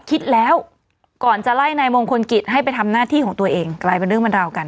คิดแล้วก่อนจะไล่นายมงคลกิจให้ไปทำหน้าที่ของตัวเองกลายเป็นเรื่องบรรราวกัน